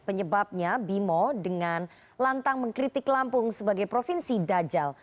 penyebabnya bimo dengan lantang mengkritik lampung sebagai provinsi dajal